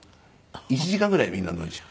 １時間ぐらいでみんな飲んじゃう。